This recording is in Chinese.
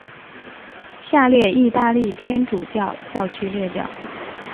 下列意大利天主教教区列表。